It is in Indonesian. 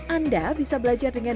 anda bisa belajar dengan